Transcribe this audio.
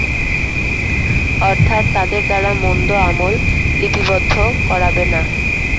অর্থাৎ তাদের দ্বারা মন্দ আমল লিপিবদ্ধ করাবে না।